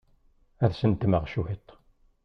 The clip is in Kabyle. Ad sentmeɣ cwiṭ.